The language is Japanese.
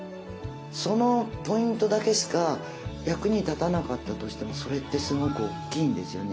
そのポイントだけしか役に立たなかったとしてもそれってすごく大きいんですよね。